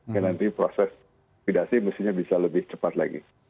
karena nanti proses likidasi mestinya bisa lebih cepat lagi